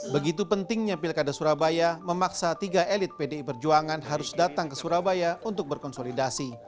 begitu pentingnya pilkada surabaya memaksa tiga elit pdi perjuangan harus datang ke surabaya untuk berkonsolidasi